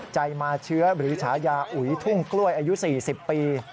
ใจมาเชื้อหรือฉายาอุ๋ยทุ่งกล้วยอายุ๔๐ปี